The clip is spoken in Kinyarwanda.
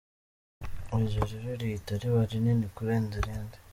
Iryo rero rihita riba rinini kurenza irindi.